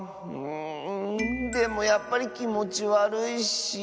うんでもやっぱりきもちわるいし。